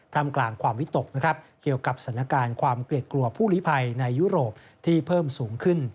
ทำกลางความวิตกนะครับเกี่ยวกับสถานการณ์ความเกลียดกลัวผู้ลิภัยในยุโรปที่เพิ่มสูงขึ้น